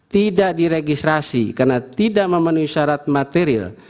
tidak diregistrasi karena tidak memenuhi syarat material